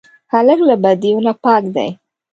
هلک له بدیو نه پاک دی.